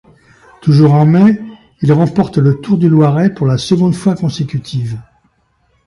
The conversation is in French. Toujours en mai il remporte le Tour du Loiret pour la seconde fois consécutive.